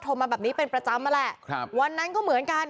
มาแบบนี้เป็นประจำนั่นแหละครับวันนั้นก็เหมือนกัน